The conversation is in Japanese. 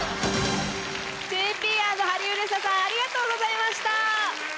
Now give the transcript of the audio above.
ＪＰ＆ハリウリサさんありがとうございました！